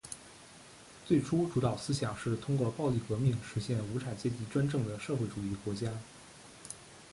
最初主导思想是通过暴力革命实现无产阶级专政的社会主义国家。